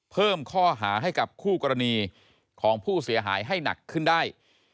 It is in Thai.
เพิ่มข้อหาให้กับคู่กรณีของผู้เสียหายให้หนักขึ้นได้